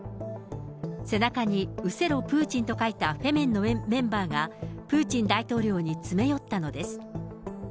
背中に失せろ、プーチンと書いたフェメンのメンバーが、プーチン大統領に詰め寄ったのです。